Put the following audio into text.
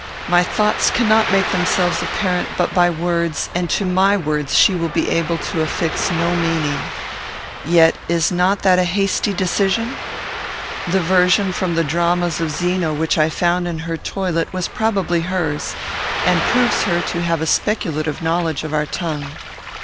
My thoughts cannot make themselves apparent but by words, and to my words she will be able to affix no meaning. Yet is not that a hasty decision? The version from the dramas of Zeno which I found in her toilet was probably hers, and proves her to have a speculative knowledge of our tongue.